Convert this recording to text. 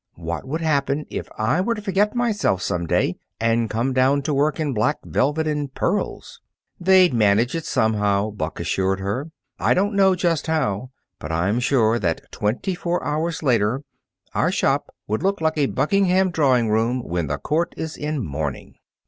What would happen if I were to forget myself some day and come down to work in black velvet and pearls?" "They'd manage it somehow," Buck assured her. "I don't know just how; but I'm sure that twenty four hours later our shop would look like a Buckingham drawing room when the court is in mourning."